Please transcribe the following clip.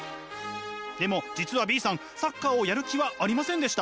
でも実はＢさんサッカーをやる気はありませんでした。